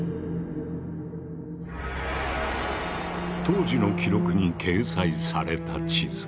当時の記録に掲載された地図。